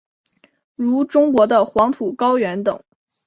如中国的黄土高原等。